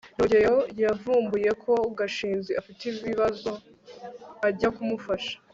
rugeyo yavumbuye ko gashinzi afite ibibazo ajya kumufasha